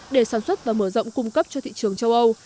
để sản xuất và mở rộng cung cấp cho thị trường châu âu